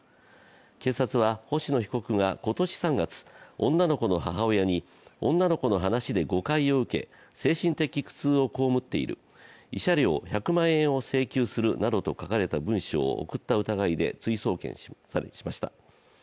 警察は、星野被告が今年３月、女の子の母親に女の子の話で誤解を受け、精神的苦痛をこうむっている慰謝料１００万円を請求するなどと書かれた文書を送った疑いで追送検しました。